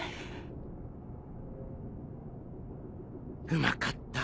うまかった。